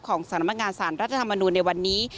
ของสำนักงานสารรัฐธรรมนูลในวันนี้